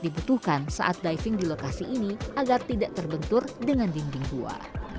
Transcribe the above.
dibutuhkan saat diving di lokasi ini agar tidak terbentur dengan dinding gua